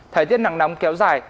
thời tiết nắng nóng kéo dài